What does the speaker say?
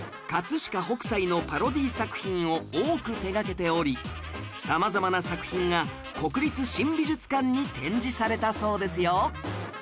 飾北斎のパロディー作品を多く手掛けており様々な作品が国立新美術館に展示されたそうですよ